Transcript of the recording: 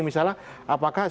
misalnya apakah itu